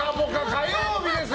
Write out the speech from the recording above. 火曜日です。